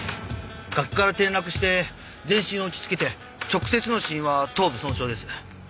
崖から転落して全身を打ちつけて直接の死因は頭部損傷です。